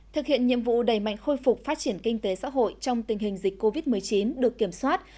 thực hiện nhiệm vụ đẩy mạnh khôi phục phát triển kinh tế xã hội trong tình hình dịch covid một mươi chín được kiểm soát